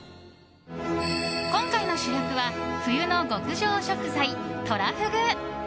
今回の主役は冬の極上食材、トラフグ。